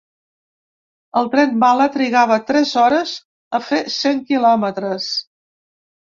El "tren bala" trigava tres hores a fer cent kilòmetres.